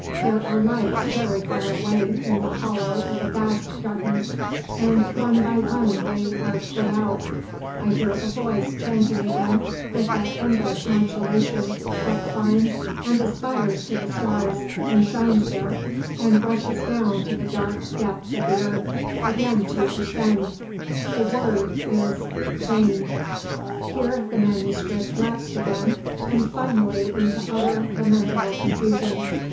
There are lights very far away in the hollow of a vast darkness, and one by one they are put out. I hear a voice chanting again with that endless modulation that climbs and aspires to the stars, and shines there, and rushes down to the dark depths of the earth, again to ascend; the word is Zain." Here the manuscript lapsed again, and finally into utter, lamentable confusion.